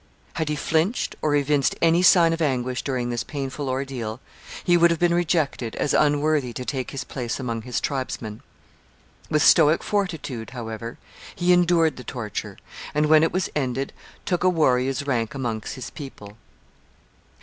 Had he flinched or evinced any sign of anguish during this painful ordeal, he would have been rejected as unworthy to take his place among his tribesmen. With stoic fortitude, however, he endured the torture, and when it was ended took a warrior's rank among his people.